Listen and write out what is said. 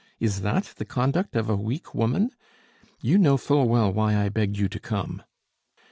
Is that the conduct of a weak woman? You know full well why I begged you to come."